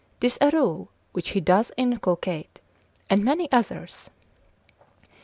'tis a rule which he doth inculcate, and many others.